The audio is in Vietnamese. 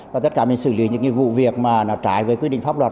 và tất cả mình xử lý những cái vụ việc mà nó trái với quy định pháp luật